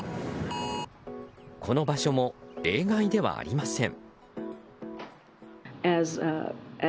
この場所も例外ではありません。